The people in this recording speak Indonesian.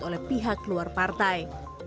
oleh pihak luar partai